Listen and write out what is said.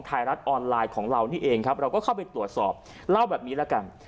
ไทยรัฐออนไลน์ของเรานี่เองครับเราก็เข้าไปตรวจสอบเล่าแบบนี้แล้วกัน